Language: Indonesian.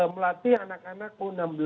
melatih anak anak u enam belas